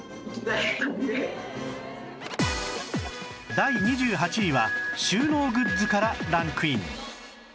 第２８位は収納グッズからランクイン